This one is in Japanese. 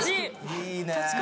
いいね！